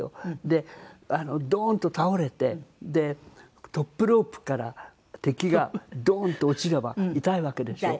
でドーンと倒れてトップロープから敵がドーンと落ちれば痛いわけでしょ。